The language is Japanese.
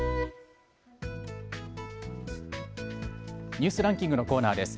ニュースランキングのコーナーです。